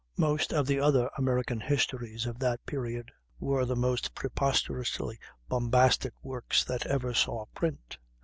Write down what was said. Most of the other American "histories" of that period were the most preposterously bombastic works that ever saw print.